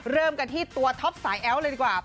เริ่มกันที่ตัวท็อปสายแอ้วเลยดีกว่า